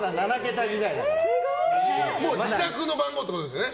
自宅の番号ってことですよね。